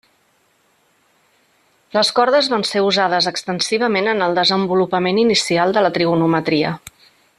Les cordes van ser usades extensivament en el desenvolupament inicial de la trigonometria.